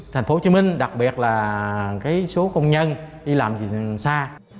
thành phố hồ chí minh đặc biệt là số công nhân đi làm gì xa